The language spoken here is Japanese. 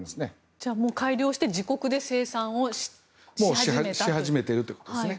じゃあもう改良して自国で生産をし始めたということですか。